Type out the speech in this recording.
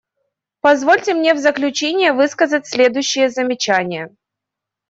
Позвольте мне в заключение высказать следующие замечания.